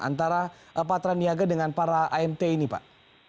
antara patraniaga dengan para amt ini pak